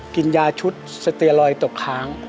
กินยาชุดสเตียลอยตกค้าง